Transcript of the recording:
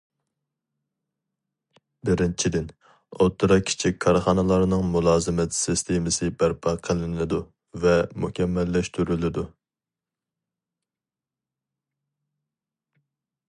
بىرىنچىدىن، ئوتتۇرا، كىچىك كارخانىلارنىڭ مۇلازىمەت سىستېمىسى بەرپا قىلىنىدۇ ۋە مۇكەممەللەشتۈرۈلىدۇ.